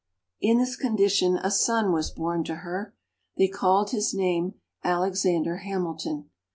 In this condition, a son was born to her. They called his name Alexander Hamilton.